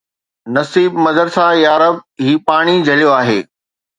نصيب مدرسه يا رب، هي پاڻي جهليو آهي